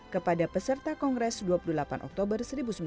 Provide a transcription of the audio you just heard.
kepada peserta kongres dua puluh delapan oktober seribu sembilan ratus empat puluh